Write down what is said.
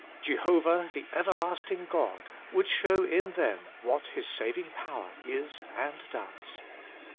Jehovah the Everlasting God would show in them what His saving power is and does.